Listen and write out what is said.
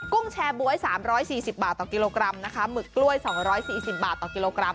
ุ้งแชร์บ๊วย๓๔๐บาทต่อกิโลกรัมนะคะหมึกกล้วย๒๔๐บาทต่อกิโลกรัม